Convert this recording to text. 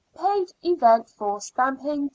Paid Evenet for stamping, £10."